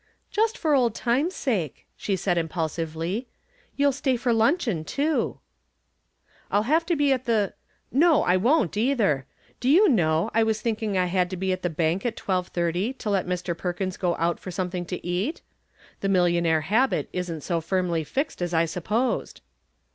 "Just for old time's sake," she said impulsively. "You'll stay for luncheon, too." "I'll have to be at the no, I won't, either. Do you know, I was thinking I had to be at the bank at twelve thirty to let Mr. Perkins go out for something to eat? The millionaire habit isn't so firmly fixed as I supposed."